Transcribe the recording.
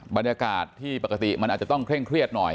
บรรยากาศที่ปกติมันอาจจะต้องเคร่งเครียดหน่อย